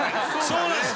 そうなんです。